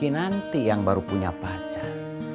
nanti yang baru punya pacar